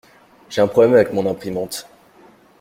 J'ai un problème avec mon imprimante.